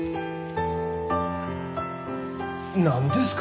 何ですか！